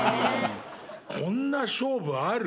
こんな勝負ある？